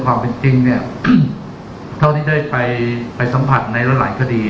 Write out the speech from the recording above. ความเป็นจริงเนี่ยเท่าที่ได้ไปสัมผัสในหลายคดี